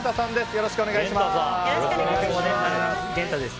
よろしくお願いします。